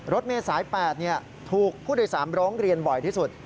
รถเมษาย๘ถูกผู้โดยสารร้องเรียนบ่อยที่สุด